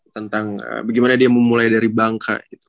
tentang bagaimana dia memulai dari bangka gitu